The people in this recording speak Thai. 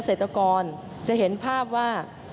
เศรษฐกรจะเห็นภาพว่า